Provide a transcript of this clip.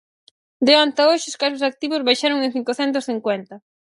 De onte a hoxe os casos activos baixaron en cincocentos cincuenta.